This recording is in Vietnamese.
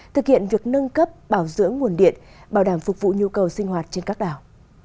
thực hiện việc nâng cấp bảo dưỡng nguồn điện bảo đảm phục vụ nhu cầu sinh hoạt trên các đảo